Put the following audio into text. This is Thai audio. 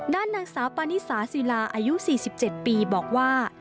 ด้านนางสาวปานิสาศิลาอายุ๔๗ปีบอกว่า